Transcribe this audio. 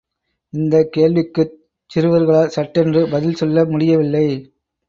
இந்தக் கேள்விக்குச் சிறுவர்களால் சட்டென்று பதில் சொல்ல முடியவில்லை.